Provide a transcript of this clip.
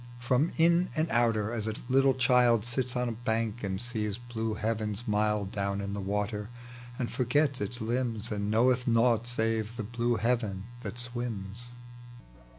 39 From iu and outer, as a little chiM Sits on a bank and sees blue heavens mild Down in the water, and foigeta its limbs, And knoweth nought save the blue heaven that swims.